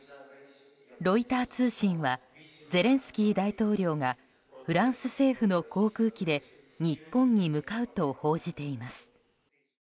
ロイター通信はゼレンスキー大統領がフランス政府の航空機で日本に向かうと報じています。